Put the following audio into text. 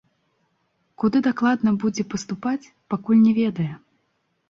Куды дакладна будзе паступаць, пакуль не ведае.